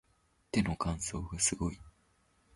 手の乾燥がすごい